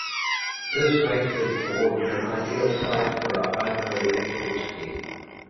This makes the gorge an ideal site for a hydro-electric scheme.